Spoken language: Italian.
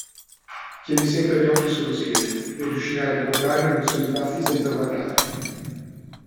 Tieni sempre gli occhi sullo schermo, e riuscirai a ricordare dove sono i tasti senza guardare.